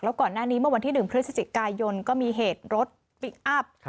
ก่อนหน้านี้เมื่อวันที่๑พฤศจิกายนก็มีเหตุรถพลิกอัพ